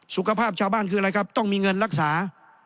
สุขภาพชาวบ้านคืออะไรครับต้องมีเงินรักษา